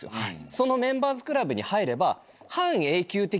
そのメンバーズクラブに入れば。